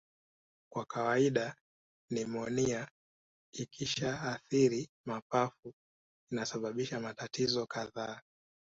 Kwa kawaida nimonia ikishaathiri mapafu inasababisha matatizo kadhaa